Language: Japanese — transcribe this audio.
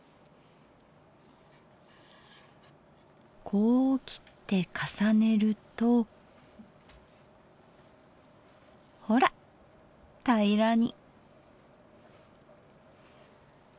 こう切って重ねるとほら平らに。